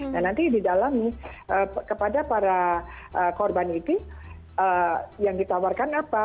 nah nanti di dalam kepada para korban itu yang ditawarkan apa